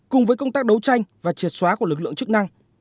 cùng với công tác đấu tranh và triệt xóa của lực lượng chức năng